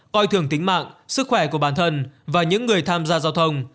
coi thường tính mạng sức khỏe của bản thân và những người tham gia giao thông